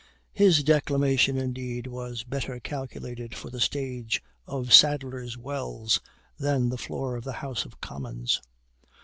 His declamation, indeed, was better calculated for the stage of Sadler's Wells than the floor of the House of Commons.